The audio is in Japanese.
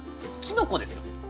きのこですよ